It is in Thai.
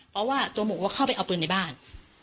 เพราะว่าตัวหมูก็เข้าไปเอาปืนในบ้าน